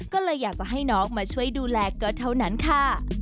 ก็เลยอยากจะให้น้องมาช่วยดูแลก็เท่านั้นค่ะ